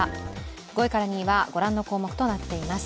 ５位から２位はご覧の項目となっています。